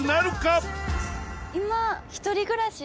今。